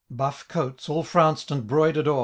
93 Buff coats, all frounced and 'broider'd o'ci.